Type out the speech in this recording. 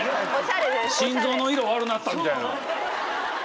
心臓の色悪なったみたいな。